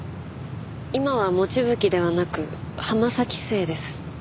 今は望月ではなく浜崎姓です。